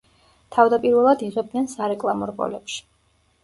თავდაპირველად იღებდნენ სარეკლამო რგოლებში.